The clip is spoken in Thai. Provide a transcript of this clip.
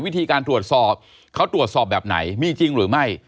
วิธีการตรวจสอบเขาตรวจสอบแบบไหนมีจริงหรือไม่